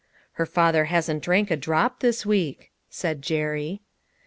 " Her father hasn't drank a drop this week," said Jerry.